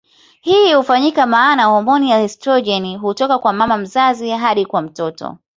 Hii hufanyika maana homoni ya estrojeni hutoka kwa mama mzazi hadi kwa mtoto.